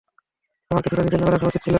তোমার কিছুটা নিজের নামে রাখা উচিত ছিল।